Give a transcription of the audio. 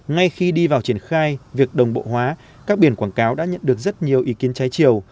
ngay khi đi vào triển khai việc đồng bộ hóa các biển quảng cáo đã nhận được rất nhiều ý kiến trái chiều